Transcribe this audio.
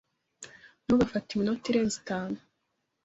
Ntugafate iminota irenze itanu.